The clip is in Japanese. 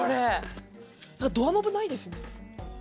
ドアノブないですよね。